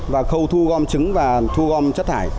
và khâu thu gom trứng và thu gom chất thải